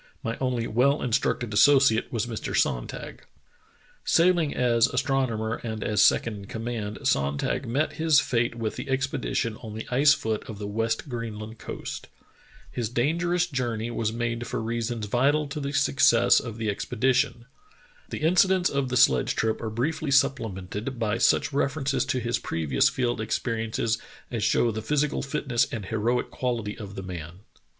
My only well instructed associate was Mr. Sonntag. " Sailing as astronomer and as second in command, Sonntag met his fate with the expedition on the ice foot of the West Greenland coast. His dangerous jour ^0/ 158 True Tales of Arctic Heroism ney was made for reasons vital to the success of the ex pedition. The incidents of the sledge trip are briefly supplemented by such references to his previous field experiences as show the physical fitness and heroic quality of the man.